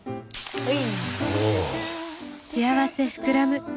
はい！